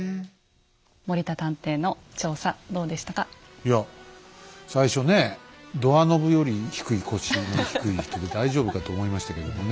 いや最初ねドアノブより腰の低い人で大丈夫かと思いましたけどもね